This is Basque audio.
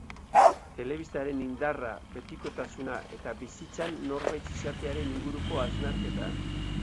Telebistaren indarra, betikotasuna, eta bizitzan norbait izatearen inguruko hausnarketa.